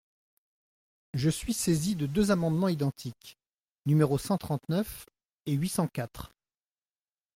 Je suis saisi de deux amendements identiques, numéros cent trente-neuf et huit cent quatre.